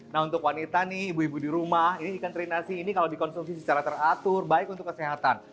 nah untuk wanita nih ibu ibu di rumah ini ikan teri nasi ini kalau dikonsumsi secara teratur baik untuk kesehatan